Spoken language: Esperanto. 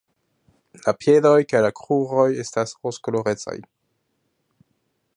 La piedoj kaj la kruroj estas rozkolorecaj.